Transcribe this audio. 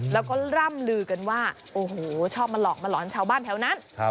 แล้วก็ร่ำลือกันว่าโอ้โหชอบมาหลอกมาหลอนชาวบ้านแถวนั้น